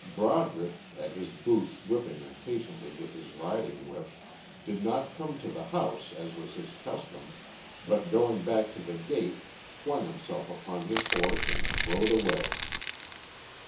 Broderick, at his boots whipping impatiently with his riding whip, did not come to the house as was his custom, but going back to the gate flung himself upon his horse and rode away.